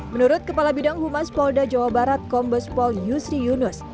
menurut kepala bidang humas polda jawa barat kombes pol yusri yunus